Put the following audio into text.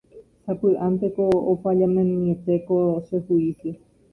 sapy'ánteko ofallamimiete ko che juicio